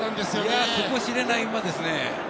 底知れない馬ですね。